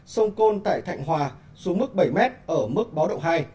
sông côn tại thạnh hòa xuống mức bảy m ở mức báo động hai